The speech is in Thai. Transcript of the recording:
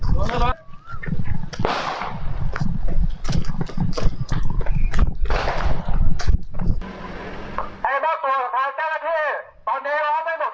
ใครบอกตัวของทางเจ้าหน้าที่ตอนนี้ร้อนไม่หมดแล้ว